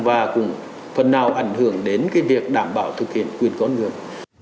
và cũng phần nào ảnh hưởng đến việc đảm bảo thực hiện quyền con người